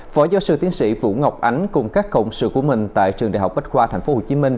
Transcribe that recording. phó giáo sư tiến sĩ vũ ngọc ánh cùng các cộng sự của mình tại trường đại học bách khoa tp hcm